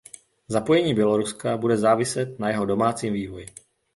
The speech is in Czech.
Zapojení Běloruska bude záviset na jeho domácím vývoji.